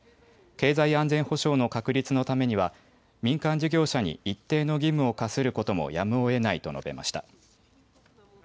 経済安全保障の確立のためには、民間事業者に一定の義務を課することもやむをえないと述べました。